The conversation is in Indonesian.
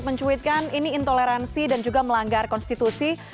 mencuitkan ini intoleransi dan juga melanggar konstitusi